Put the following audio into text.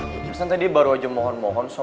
terus kan tadi dia baru aja mohon mohon sama gue